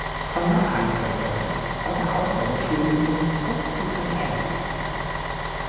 Von nachhaltiger Bedeutung war der Ausbau des Schulwesens und des Verkehrswesens.